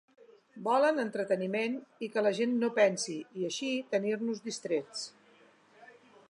Volen entreteniment i que la gent no pensi i, així, tenir-nos distrets.